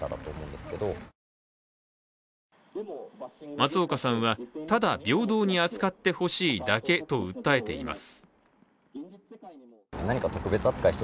松岡さんは、ただ平等に扱ってほしいだけと訴えています。